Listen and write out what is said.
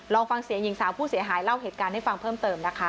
ลองฟังเสียงหญิงสาวผู้เสียหายเล่าเหตุการณ์ให้ฟังเพิ่มเติมนะคะ